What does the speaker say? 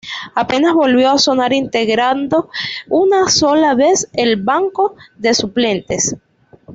Apenas volvió a sonar integrando una sola vez el banco de suplentes.